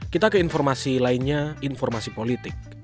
kita ke informasi lainnya informasi politik